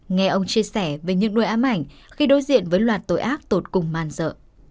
nghe ông chia sẻ về những nỗi ám ảnh khi đối diện với loạt tội ác tội cùng man dợ